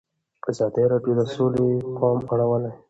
ازادي راډیو د سوله ته پام اړولی.